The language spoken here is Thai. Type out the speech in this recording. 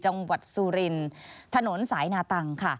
จังหวัดสุรินถนนสายนาตังค่ะ